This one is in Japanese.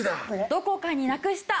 どこかになくした！